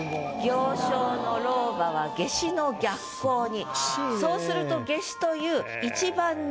「行商の老婆は夏至の逆光に」。